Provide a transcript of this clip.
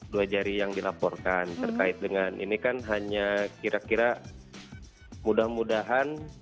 dua jari yang dilaporkan terkait dengan ini kan hanya kira kira mudah mudahan